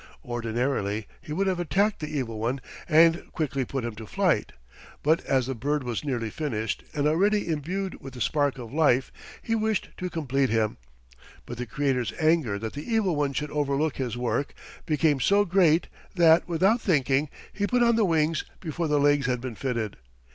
Ordinarily he would have attacked the Evil One and quickly put him to flight, but as the bird was nearly finished and already imbued with the spark of life he wished to complete him. But the Creator's anger that the Evil One should overlook his work, became so great that, without thinking, he put on the wings before the legs had been fitted.